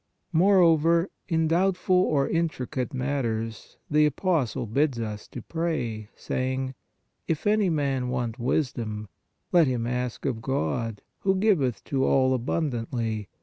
Moreover, in doubtful or intricate matters the apostle bids us to pray, saying: "If any man want wisdom, let him ask of God, who giveth to all abundantly